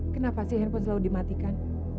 kenapa sih handphone selalu dimatikan